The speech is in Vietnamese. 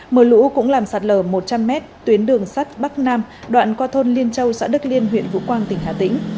mưa lũ cũng làm sạt lở một trăm linh m tuyến đường sắt bắc nam đoạn qua thôn liên châu xã đức liên huyện vũ quang tỉnh hà tĩnh